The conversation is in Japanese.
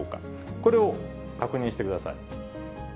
これを確認してください。